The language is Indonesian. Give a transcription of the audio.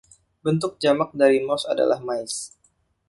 Bentuk jamak dari mouse adalah mice.